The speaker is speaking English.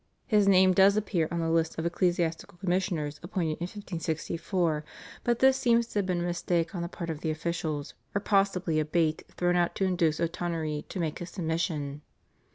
His name does appear on a list of ecclesiastical commissioners appointed in 1564, but this seems to have been a mistake on the part of the officials or possibly a bait thrown out to induce O'Tonory to make his submission.